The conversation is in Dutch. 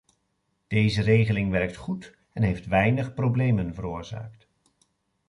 Deze regeling werkt goed en heeft weinig problemen veroorzaakt.